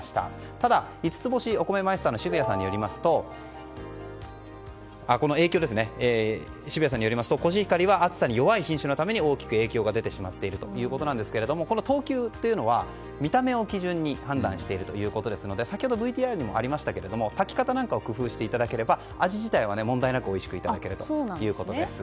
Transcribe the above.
ただ、五ツ星お米マイスターの澁谷さんによりますとコシヒカリは暑さに弱い品種のため大きく影響が出てしまっているということなんですが等級というのは見た目を基準に判断しているということですので先ほどＶＴＲにもありましたが炊き方を工夫していただければ味自体は問題なく、おいしくいただけるということです。